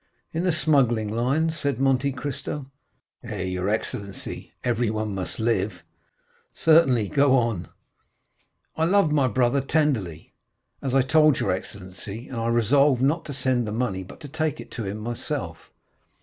"In the smuggling line?" said Monte Cristo. "Eh, your excellency? Everyone must live." "Certainly; go on." "I loved my brother tenderly, as I told your excellency, and I resolved not to send the money, but to take it to him myself.